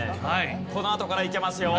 このあとからいけますよ。